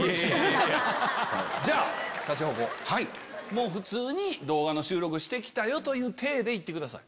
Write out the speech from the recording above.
じゃあ普通に収録して来たよという体で行ってください。